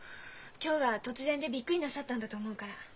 今日は突然でびっくりなさったんだと思うから。